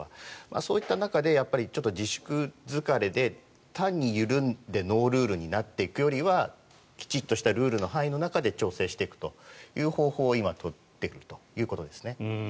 そういった中で、自粛疲れで単に緩んでノールールになっていくよりはきちっとしたルールの範囲の中で調整していくという方法を今、取っていくということですね。